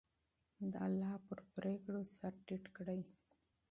د الله په پرېکړو سر ټیټ کړئ.